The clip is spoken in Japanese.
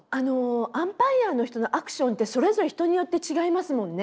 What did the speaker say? アンパイアの人のアクションってそれぞれ人によって違いますもんね。